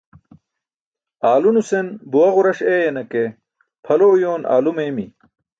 Aalo nusen buwa ġuras eeyana ke phalo uyoon alo meeymi.